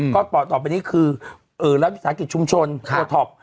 ก็ต่อไปนี่คือแล้วศาสตร์กิจชุมชนโทษท็อป